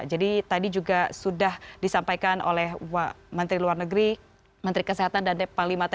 jadi tadi juga sudah disampaikan oleh menteri luar negeri menteri kesehatan dan panglima tni